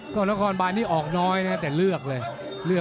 ตลอดละครบ้านนี่ออกน้อยเนี่ยแต่เลือกเลย